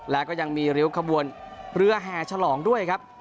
แล้วก็ยังมีริ้วขบวนเรือแห่ฉลองด้วยครับ